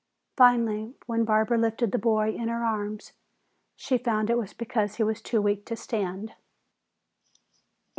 Finally, when Barbara lifted the boy in her arms she found it was because he was too weak to stand.